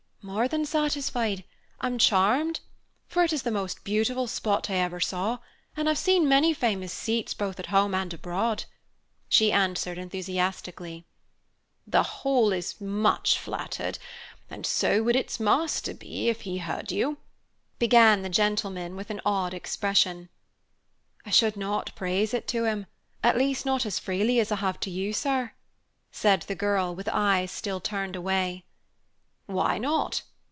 "More than satisfied I'm charmed; for it is the most beautiful spot I ever saw, and I've seen many famous seats, both at home and abroad," she answered enthusiastically. "The Hall is much flattered, and so would its master be if he heard you," began the gentleman, with an odd expression. "I should not praise it to him at least, not as freely as I have to you, sir," said the girl, with eyes still turned away. "Why not?"